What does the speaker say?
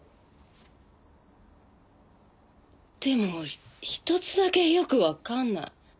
でもひとつだけよくわかんない。